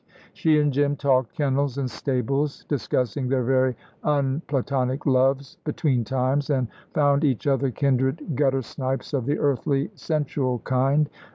She and Jim talked kennels and stables, discussing their very unplatonic loves between times, and found each other kindred guttersnipes of the earthly, sensual kind.